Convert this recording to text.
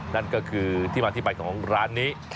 นั่นก็คือที่มาที่ไปของร้านนี้